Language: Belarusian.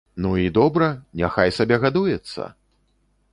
Ну, і добра, няхай сабе гадуецца!